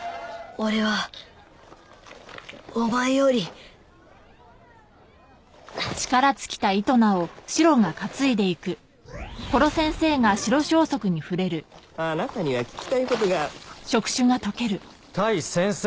俺はお前よりあなたには聞きたいことが対先生